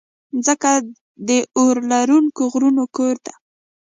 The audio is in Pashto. مځکه د اورلرونکو غرونو کور ده.